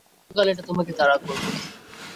অনন্তকাল এটা তোমাকে তাড়া করবে।